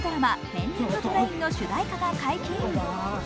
「ペンディングトレイン」の主題歌が解禁。